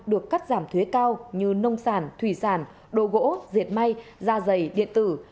được cắt giảm thuế cao như nông sản thủy sản đồ gỗ diệt may da dày điện tử